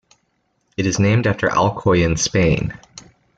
It is named after Alcoy in Spain.